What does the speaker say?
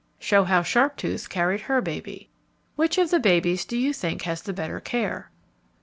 _ Show how Sharptooth carried her baby. _Which of the babies do you think has the better care?